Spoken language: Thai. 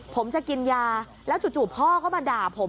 ผมจะกินยาแล้วจู่พ่อก็มาด่าผม